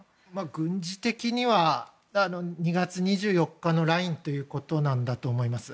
軍事的には２月２４日のラインということなんだと思います。